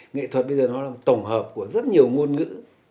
nghệ thuật bây giờ nó là một tổng hợp của rất nhiều ngôn ngữ